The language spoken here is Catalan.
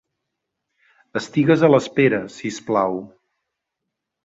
Estigues a l'espera, si us plau.